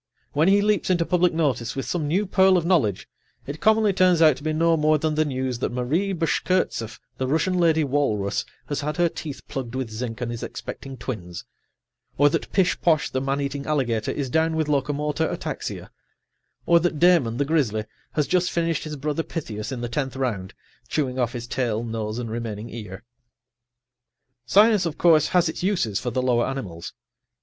When he leaps into public notice with some new pearl of knowledge, it commonly turns out to be no more than the news that Marie Bashkirtseff, the Russian lady walrus, has had her teeth plugged with zinc and is expecting twins. Or that Pishposh, the man eating alligator, is down with locomotor ataxia. Or that Damon, the grizzly, has just finished his brother Pythias in the tenth round, chewing off his tail, nose and remaining ear. Science, of course, has its uses for the lower animals.